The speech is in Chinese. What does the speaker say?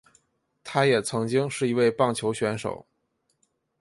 他也曾经是一位棒球选手。